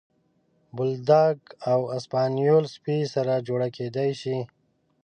بولداګ او اسپانیول سپي سره جوړه کېدلی شي.